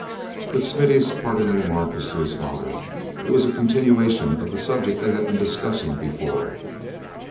But Smithy's parting remark was to his father; it was a continuation of the subject they had been discussing before.